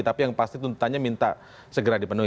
tapi yang pasti tuntutannya minta segera dipenuhi